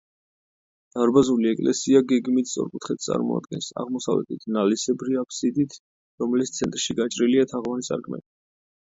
დარბაზული ეკლესია გეგმით სწორკუთხედს წარმოადგენს, აღმოსავლეთით ნალისებრი აბსიდით, რომლის ცენტრში გაჭრილია თაღოვანი სარკმელი.